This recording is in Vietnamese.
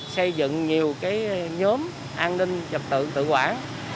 xây dựng nhiều nhóm an ninh trật tự tự quản